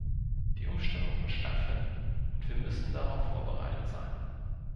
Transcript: Die Umstellung wird stattfinden, und wir müssen darauf vorbereitet sein.